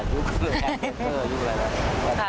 ยุคแฮปเตอร์ยุคอะไรแหละ